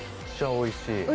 おいしい？